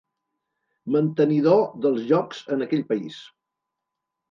Mantenidor dels Jocs en aquell país.